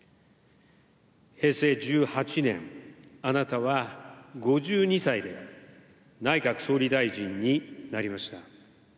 平成１８年、あなたは５２歳で、内閣総理大臣になりました。